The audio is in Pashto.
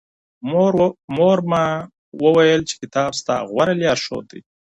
مور مي وويل چي کتاب ستا غوره لارښود دی.